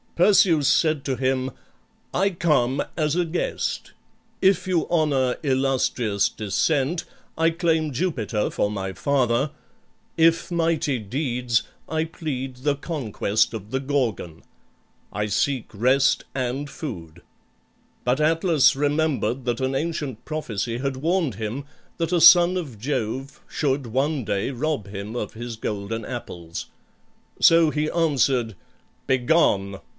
Perseus said to him, "I come as a guest. If you honor illustrious descent, I claim Jupiter for my father; if mighty deeds, I plead the conquest of the Gorgon. I seek rest and food." But Atlas remembered that an ancient prophecy had warned him that a son of Jove should one day rob him of his golden apples. So he answered, "Begone!